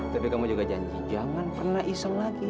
tapi kamu juga janji jangan pernah iseng lagi